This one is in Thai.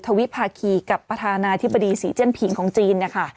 วิภาคีกับประธานาธิบดีศรีเจียนผิงของจีนนะคะ